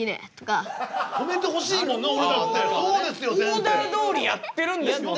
オーダーどおりやってるんですもんね。